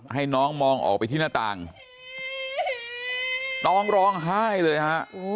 ให้น้องมองออกไปที่หน้าต่างน้องร้องไห้เลยฮะ